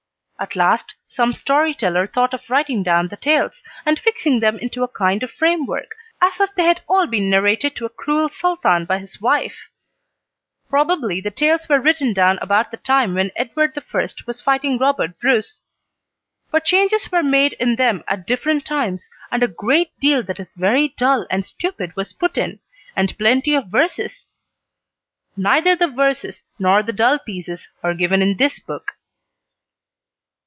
At last some storyteller thought of writing down the tales, and fixing them into a kind of framework, as if they had all been narrated to a cruel Sultan by his wife. Probably the tales were written down about the time when Edward I. was fighting Robert Bruce. But changes were made in them at different times, and a great deal that is very dull and stupid was put in, and plenty of verses. Neither the verses nor the dull pieces are given in this book.